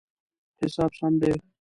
حساب سم دی